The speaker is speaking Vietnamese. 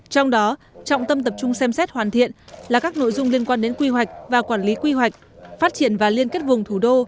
trong đó trọng tâm tập trung xem xét hoàn thiện là các nội dung liên quan đến quy hoạch và quản lý quy hoạch phát triển và liên kết vùng thủ đô